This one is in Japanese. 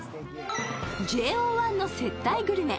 ＪＯ１の接待グルメ。